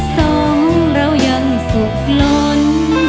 สองเรายังสุขล้น